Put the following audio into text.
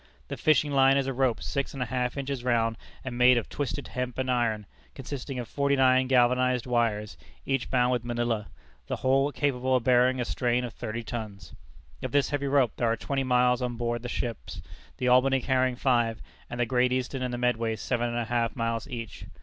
The "fishing line" is a rope six and a half inches round, and made of twisted hemp and iron, consisting of forty nine galvanized wires, each bound with manilla, the whole capable of bearing a strain of thirty tons. Of this heavy rope there are twenty miles on board the ships, the Albany carrying five, and the Great Eastern and the Medway seven and a half miles each.